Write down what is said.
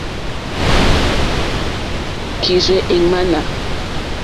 Ɔ́ kírzɛ́ è ŋmánà.